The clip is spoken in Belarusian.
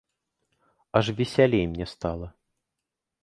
Аж весялей мне стала.